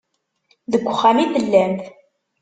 Deg uxxam i tellamt.